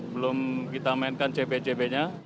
belum kita mainkan cb cb nya